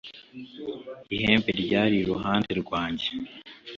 ihembe ryari iruhande rwanjye